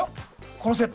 このセット。